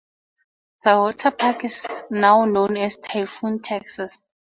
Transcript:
The water park is now known as Typhoon Texas.